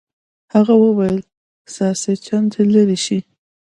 هغه وویل ساسچن دې لرې شي.